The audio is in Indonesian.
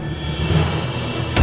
selamat sore ibu sarah